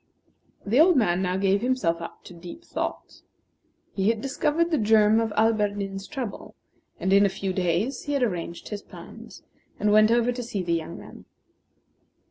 The old man now gave himself up to deep thought. He had discovered the germ of Alberdin's trouble; and in a few days he had arranged his plans, and went over to see the young man.